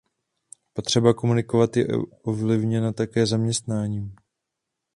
Potřeba komunikovat je ovlivněna také zaměstnáním.